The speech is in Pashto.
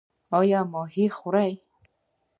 ایا ماهي خورئ؟